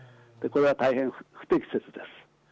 これは大変不適切です。